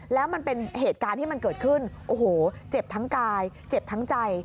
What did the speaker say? แล้วมันเป็นเหตุการณ์ที่มันเกิดขึ้นโอ้โหเจ็บทั้งกายเจ็บทั้งใจ